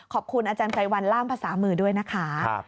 ขอบคุณอาจารย์ไพรวัลล่ามภาษามือด้วยนะคะ